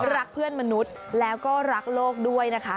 รักเพื่อนมนุษย์แล้วก็รักโลกด้วยนะคะ